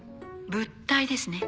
物体ですね。